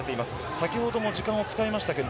先程も時間を使いました。